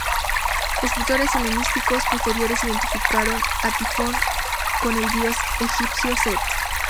Escritores helenísticos posteriores identificaron a Tifón con el dios egipcio Seth.